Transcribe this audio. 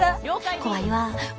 怖いわ。